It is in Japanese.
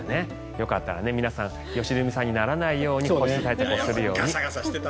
よかったら皆さん良純さんにならないように保湿対策をするように。